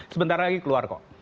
sebentar lagi keluar kok